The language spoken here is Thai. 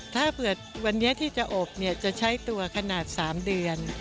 ถ้าเผื่อวันนี้ที่จะอบเนี่ยจะใช้ตัวขนาด๓เดือน